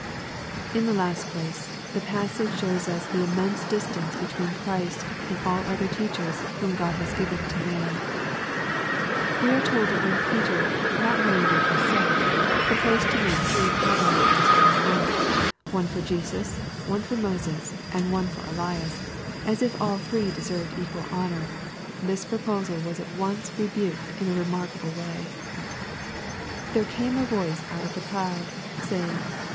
In the last place, the passage shows ais the immense distance between Christ and ail other teachers whom God S18 EXFOSITOBT THOUGHTS. baa given to man. We are told that when Peter, " not knowing what he said/' proposed to make three taber nacles on the mount , one for Jesus, one for Moses, and one for Elias, as if all three deserved equal honor, this proposal was at once rebuked in a remarkable way: " There came a voice out of the cloud, saying.